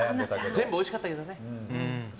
全部おいしかったけどね。